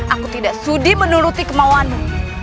aku tidak sudi menuruti kemauanmu